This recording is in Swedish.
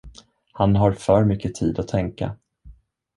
Han har för mycket tid att tänka.